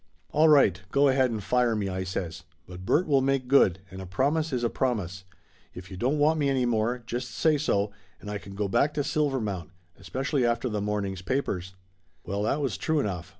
"All right, go ahead and fire me!" I says. "But Bert will make good, and a promise is a promise. If you don't want me any more, just say so, and I can go back to Silver mount Especially after the morn ing's papers." Well, that was true enough.